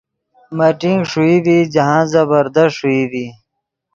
میٹنگ ݰوئی ڤی جاہند زبردست ݰوئی ڤی۔